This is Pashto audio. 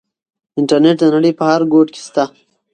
انټرنيټ د نړۍ په هر ګوټ کې شته.